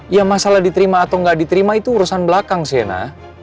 ya masalah diterima atau gak diterima itu urusan belakang sienna